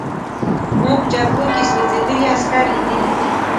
ما په جبهو کې سوځېدلي عسکر لیدلي دي